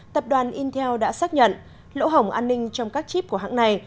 tập đoàn intel đã xác nhận lỗ hồng an ninh trong các chip của hãng này